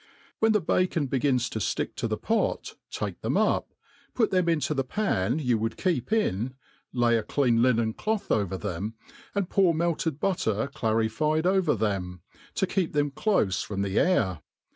When the bacon begins to flick to the pot, take them up, put them into the pan you would keep ii>, lay a clean linen cloth over them, and pour Bielted butter clarified over them, to keep them clofe from the air.